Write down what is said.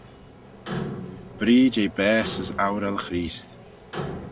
Bree jeh baase as oural Chreest.